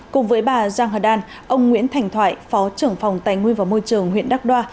cùng với bà giang hờ đan ông nguyễn thành thoại phó trưởng phòng tài nguyên và môi trường huyện đắk đoa